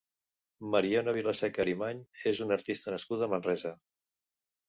Mariona Vilaseca Arimany és una artista nascuda a Manresa.